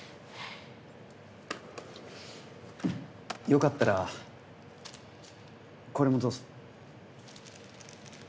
よかったらこれもどうぞ。